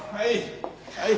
はい。